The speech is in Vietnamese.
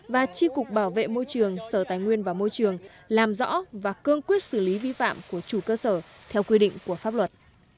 và tri cục bảo vệ môi trường sở tài nguyên và môi trường làm rõ và cương quyết xử lý vi phạm của chủ cơ sở theo quy định của pháp luật